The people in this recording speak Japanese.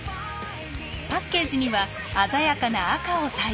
パッケージには鮮やかな赤を採用。